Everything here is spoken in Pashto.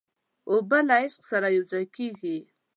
اوبه له عشق سره یوځای کېږي.